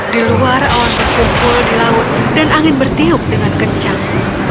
di luar awan berkumpul di laut dan angin bertiup dengan kencang